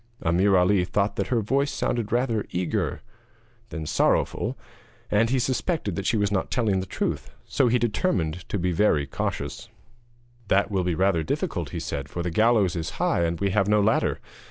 Ameer Ali thought that her voice sounded rather eager than sorrowful, and he suspected that she was not telling the truth, so he determined to be very cautious. [Illustration: AMEER ALI WINS THE ANKLET] 'That will be rather difficult,' he said, 'for the gallows is high, and we have no ladder.'